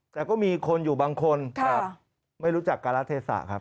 แต่ก็มีคนอยู่บางคนครับไม่รู้จักการาเทศาครับครับ